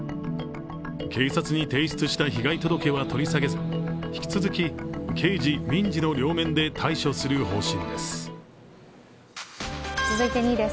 警察に提出した被害届は引き下げず、引き続き刑事、民事の両面で対処する方針です。